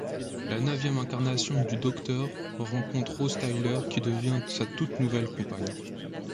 La neuvième incarnation du Docteur rencontre Rose Tyler qui devient sa toute nouvelle compagne.